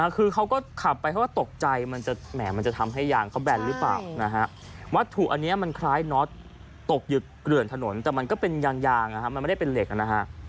คือเขาก็ขับไปเขาก็ตกใจมันจะทำให้ยางเขาแบนหรือเปล่าวัดถูกอันนี้มันคล้ายน็อตตกหยึดเกลื่อนถนนแต่มันก็เป็นยางมันไม่ได้เป็นเหล็กนะฮะ